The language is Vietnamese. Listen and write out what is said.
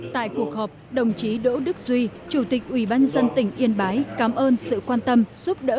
tại cuộc họp đồng chí đỗ đức duy chủ tịch ubnd tỉnh yên bái cảm ơn sự quan tâm giúp đỡ